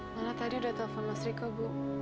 mana tadi udah telepon mas riko bu